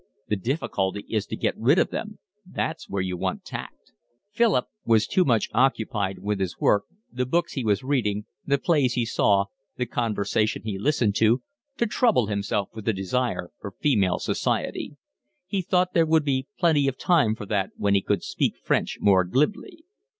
The difficulty is to get rid of them. That's where you want tact." Philip was too much occupied with his work, the books he was reading, the plays he saw, the conversation he listened to, to trouble himself with the desire for female society. He thought there would be plenty of time for that when he could speak French more glibly.